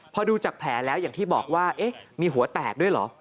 พอดูจากแผลแล้วอย่างที่บอกว่ามีหัวแตกด้วยเหรอ